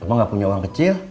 emang gak punya uang kecil